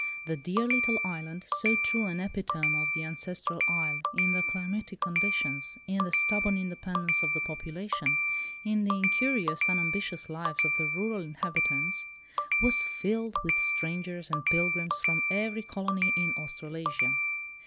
The dear little island, so true an epitome of the ancestral isle in the climatic conditions, in the stubborn independence of the population, in the incurious, unambitious lives of the rural inhabitants, was filled with strangers and pilgrims from every colony in Australasia.